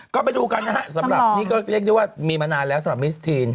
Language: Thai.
ก็ไปดูกันนะฮะสำหรับนี่ก็เรียกได้ว่ามีมานานแล้วสำหรับมิสทีน